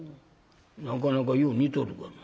なかなかよう似とるがな」。